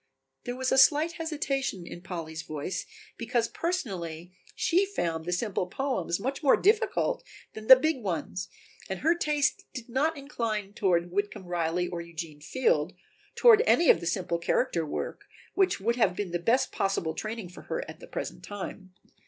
There was a slight hesitation in Polly's voice because personally she found the simple poems much more difficult than the big ones and her taste did not incline toward Whitcomb Riley, or Eugene Field, toward any of the simple character work, which would have been the best possible training for her at the present time.